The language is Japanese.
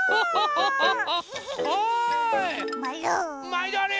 まいどあり！